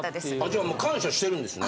じゃあもう感謝してるんですね。